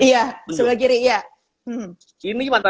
iya sebelah kiri iya